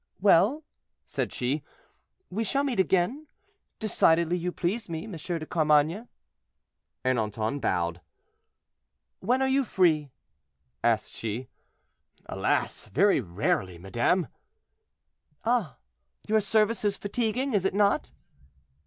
"Well," said she, "we shall meet again. Decidedly you please me, M. de Carmainges." Ernanton bowed. "When are you free?" asked she. "Alas! very rarely, madame." "Ah! your service is fatiguing, is it not?"